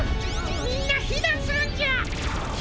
みんなひなんするんじゃ！